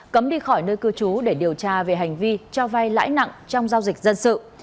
cấm đi khỏi nơi cư trú để điều tra về hành vi cho vay lãi nặng trong giao dịch dân sự